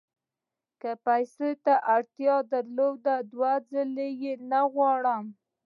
که پیسو ته اړتیا درلوده دوه ځله یې نه غواړم.